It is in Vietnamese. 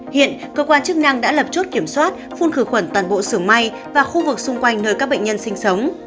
hiện cơ quan chức năng đã lập chốt kiểm soát phun khử khuẩn toàn bộ sưởng may và khu vực xung quanh nơi các bệnh nhân sinh sống